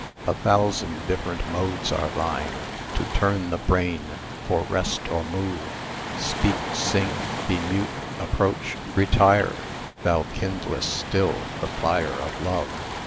A thousand different modes are thine To turn the brain; for rest or move, Speak, sing, be mute, approach, retire, Thou kindlest still the fire of love.